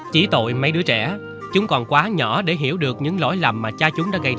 chỉ tội mấy đứa trẻ chúng còn quá nhỏ để hiểu được những lỗi lầm mà cha chúng đã gây